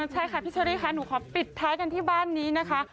ใช่ค่ะพี่เชอรี่ค่ะหนูขอปิดท้ายกันที่บ้านนี้นะคะ